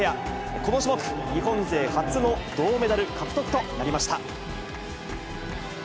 この種目、日本勢初の銅メダル獲得となりました。